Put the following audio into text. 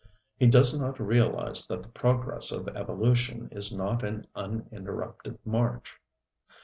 He does not realize that the progress of evolution is not an uninterrupted march.